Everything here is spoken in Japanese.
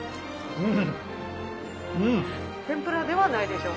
うん。